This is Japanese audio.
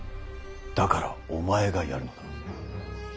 だからお前がやるのだ。